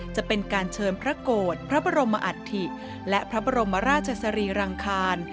จะเป็นการเชิญพระโกรธพระบรมอัฐิและพระบรมราชสรีรังคาร